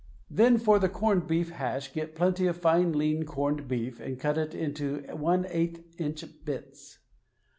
Then for the corned beef hash get plenty of fine lean corned beef and cut it into one eighth inch bits.